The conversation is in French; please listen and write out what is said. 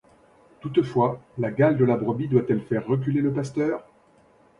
Toutefois, la gale de la brebis doit-elle faire reculer le pasteur ?